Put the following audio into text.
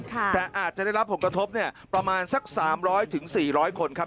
แต่อาจจะได้รับผลกระทบประมาณสัก๓๐๐๔๐๐คนครับ